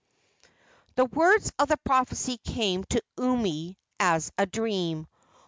The words of the prophecy came to Umi as a dream.